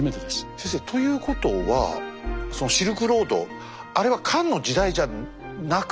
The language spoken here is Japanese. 先生ということはそのシルクロードあれは漢の時代じゃなく。